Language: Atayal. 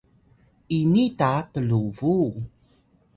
ini ta tlubuw